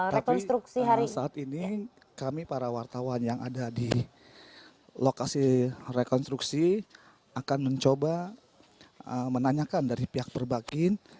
tapi saat ini kami para wartawan yang ada di lokasi rekonstruksi akan mencoba menanyakan dari pihak perbakin